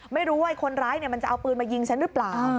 ไม่รู้ว่าคนร้ายมันจะเอาปืนมายิงฉันหรือเปล่า